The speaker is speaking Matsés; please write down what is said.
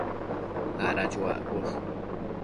ada chuaccosh